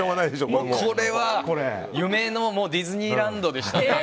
これは、夢のディズニーランドでしたね。